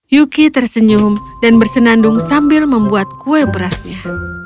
yuki tersenyum dan bersenandung sambil membuat kue berasnya